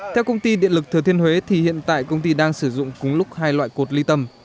theo công ty điện lực thừa thiên huế thì hiện tại công ty đang sử dụng cùng lúc hai loại cột ly tâm